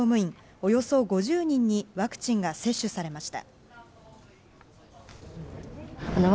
およそ５０人にワクチンが接種されました。